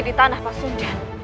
di tanah pak sunjan